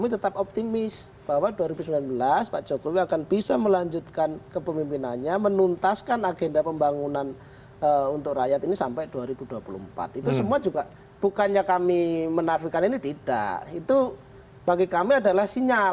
terima kasih terima kasih